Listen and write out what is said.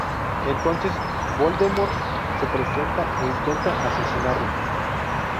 Entonces Voldemort se presenta e intenta asesinarlo.